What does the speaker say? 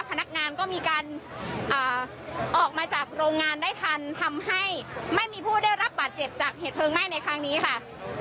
พนักงานก็มีการออกมาจากโรงงานได้ทันทำให้ไม่มีผู้ได้รับบาดเจ็บจากเหตุเพลิงไหม้ในครั้งนี้ค่ะ